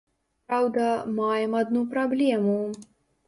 Праўда, маем адну праблему.